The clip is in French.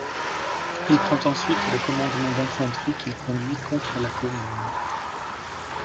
Il prend ensuite le commandement du d'infanterie qu'il conduit contre la Commune.